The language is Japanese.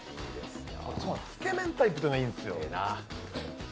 つけ麺タイプっていうのがいいんですよ。